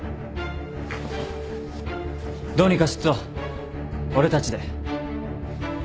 どうにかすっぞ俺たちで。